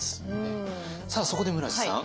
さあそこで村治さん。